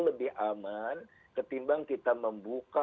lebih aman ketimbang kita membuka